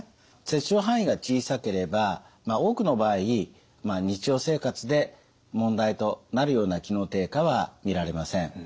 切除範囲が小さければ多くの場合日常生活で問題となるような機能低下は見られません。